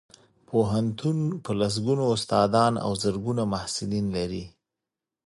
پوهنتون په لسګونو استادان او زرګونه محصلین لري